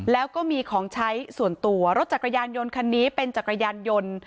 แล้วก็มีของใช้ส่วนตัวรถจักรยานยนต์คันนี้เป็นจักรยานยนต์